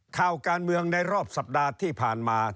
ข่าวการเมืองในรอบสัปดาห์ที่ผ่านมา